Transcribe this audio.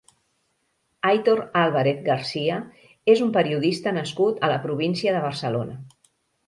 Aitor Álvarez García és un periodista nascut a la província de Barcelona.